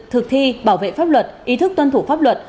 thực thi bảo vệ pháp luật ý thức tuân thủ pháp luật